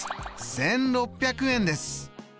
１６００円です。